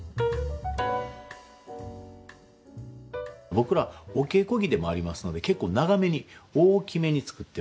僕らお稽古着でもありますので結構長めに大きめに作ってますね。